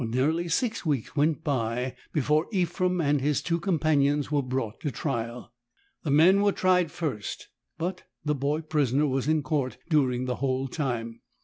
Nearly six weeks went by before Ephrem and his two companions were brought up for trial. The men were tried first, but the boy prisoner was in court during the whole time.